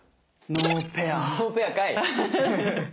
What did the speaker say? ノーペアかい！